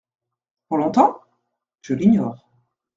Pour longtemps ? Je l'ignore.